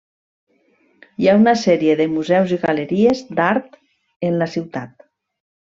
Hi ha una sèrie de museus i galeries d'art en la ciutat.